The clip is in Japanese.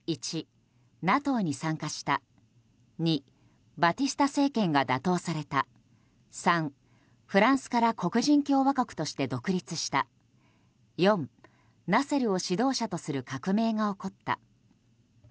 １、ＮＡＴＯに参加した２、バティスタ政権が打倒された３、フランスから黒人共和国として独立した４、ナセルを指導者とする革命が起こった。